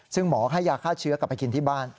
ซึ่งหมอให้ยาฆ่าเชื้อกลับไปกินที่บ้าน